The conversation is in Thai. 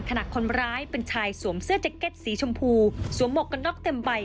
ขณะคนร้ายเป็นชายสวมเสื้อแจ็คเก็ตสีชมพูสวมหมวกกันน็อกเต็มใบ